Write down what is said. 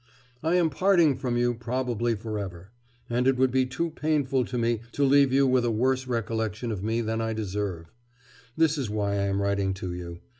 'I am parting from you probably for ever, and it would be too painful to me to leave you with a worse recollection of me than I deserve. This is why I am writing to you.